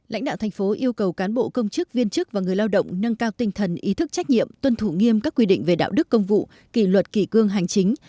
lãnh đạo thành phố yêu cầu cán bộ công chức viên chức và người lao động nâng cao tinh thần ý thức trách nhiệm tuân thủ nghiêm các quy định về đạo đức công vụ kỷ luật kỷ cương hành chính